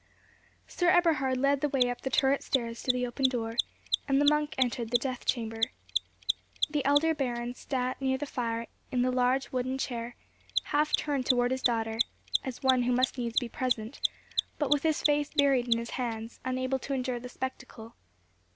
Sir Eberhard led the way up the turret stairs to the open door, and the monk entered the death chamber. The elder Baron sat near the fire in the large wooden chair, half turned towards his daughter, as one who must needs be present, but with his face buried in his hands, unable to endure the spectacle.